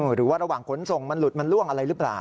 หรือว่าระหว่างขนส่งมันหลุดมันล่วงอะไรหรือเปล่า